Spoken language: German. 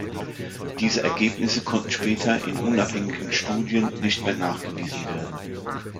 Diese Ergebnisse konnten später in unabhängigen Studien nicht mehr nachgewiesen werden.